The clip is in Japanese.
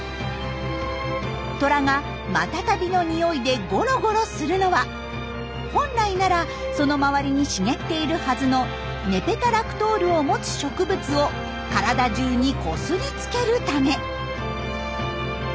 トラがマタタビの匂いでゴロゴロするのは本来ならその周りに茂っているはずのネペタラクトールを持つ植物を体中にこすりつけるため。